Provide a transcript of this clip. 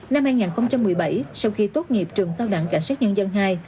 năm hai nghìn một mươi bảy sau khi tốt nghiệp trường cao đẳng cảnh sát nhân dân hai